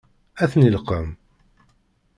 Ad ten-ileqqem?